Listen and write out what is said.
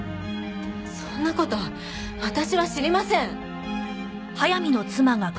そんな事私は知りません！